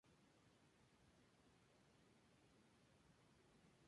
Más tarde ascendió la comandante.